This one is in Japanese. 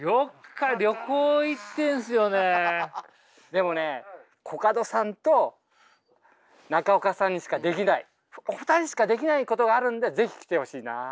でもねコカドさんと中岡さんにしかできないお二人にしかできないことがあるんで是非来てほしいな。